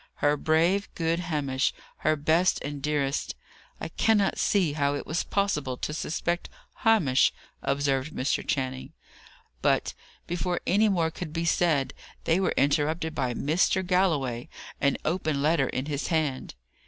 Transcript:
Her brave, good Hamish! her best and dearest! "I cannot see how it was possible to suspect Hamish," observed Mr. Channing. But, before any more could be said, they were interrupted by Mr. Galloway, an open letter in his hand.